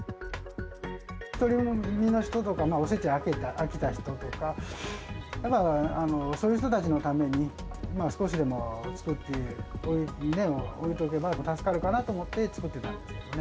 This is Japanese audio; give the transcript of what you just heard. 独り身の人とか、おせちに飽きた人とか、やっぱそういう人たちのために少しでも作って置いとけば助かるかなと思って、作ってたんですけどね。